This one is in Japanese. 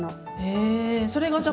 へえそれがじゃ